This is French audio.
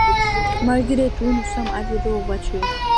Malgré tout, nous sommes arrivés aux voitures.